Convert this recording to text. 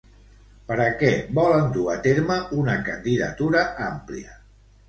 Per a què volen dur a terme una candidatura àmplia?